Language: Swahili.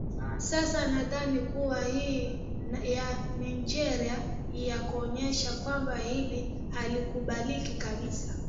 sasa nadhani kuwa hii ya nigeria niyakuonyesha kwamba hili halikubaliki kabisa